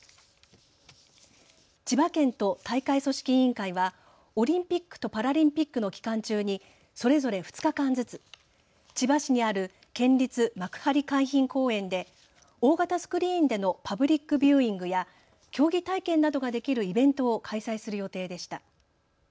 千葉県と大会組織委員会はオリンピックとパラリンピックの期間中にそれぞれ２日間ずつ千葉市にある県立幕張海浜公園で大型スクリーンでのパブリックビューイングや競技体験などができるイベントを開催する予定でした。